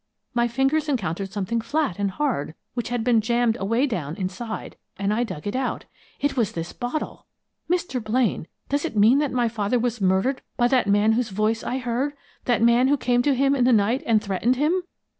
My fingers encountered something flat and hard which had been jammed away down inside, and I dug it out. It was this bottle! Mr. Blaine, does it mean that my father was murdered by that man whose voice I heard that man who came to him in the night and threatened him?"